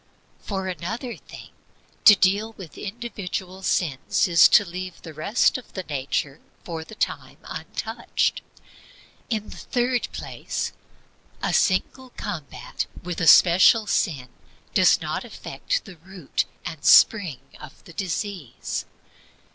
For another thing, to deal with individual sins is to leave the rest of the nature for the time untouched. In the third place, a single combat with a special sin does not affect the root and spring of the disease.